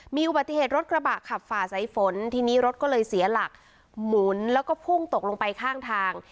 มีอุบัติเหตุรถกระบะขับฝ่าสายฝนทีนี้รถก็เลยเสียหลักหมุนแล้วก็พุ่งตกลงไปข้างทาง